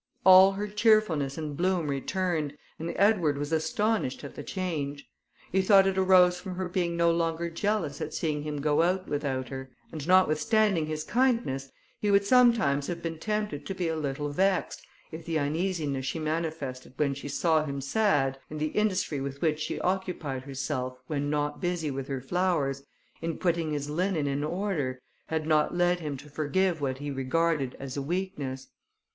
All her cheerfulness and bloom returned, and Edward was astonished at the change. He thought it arose from her being no longer jealous at seeing him go out without her; and notwithstanding his kindness, he would sometimes have been tempted to be a little vexed, if the uneasiness she manifested when she saw him sad, and the industry with which she occupied herself, when not busy with her flowers, in putting his linen in order, had not led him to forgive what he regarded as a weakness.